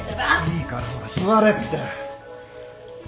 いいからほら座れって。